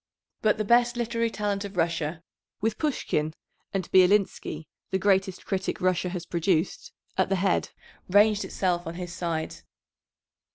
But the best literary talent of Russia, with Pushkin and Bielinsky, the greatest critic Russia has produced, at the head, ranged itself on his side.